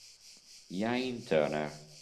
Iain Turner